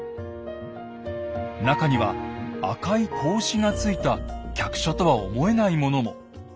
中には赤い格子がついた客車とは思えないものも。